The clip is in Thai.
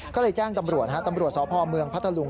ก็เลยแจ้งตำรวจตำรวจสอบพ่อเมืองพระทะลุง